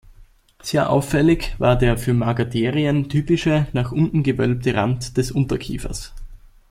Sehr auffällig war der für Megatherien typische, nach unten gewölbte Rand des Unterkiefers.